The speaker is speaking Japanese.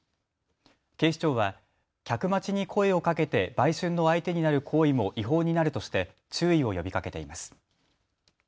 警視庁は客待ちに声をかけて売春の相手になる行為も違法になるとして注意を呼びかけています。